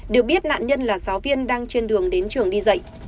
được biết nạn nhân là giáo viên đang trên đường đến trường đi dạy